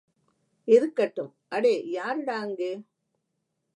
இருக்கட்டும், அடே யாருடா அங்கே?